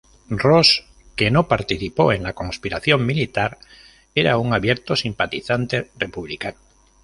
Ros, que no participó en la conspiración militar, era un abierto simpatizante republicano.